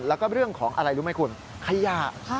แล้วก็เรื่องของอะไรรู้ไหมคุณขยะ